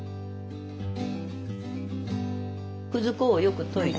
くず粉をよく溶いて。